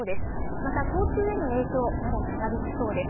また交通への影響、まだ長引きそうです。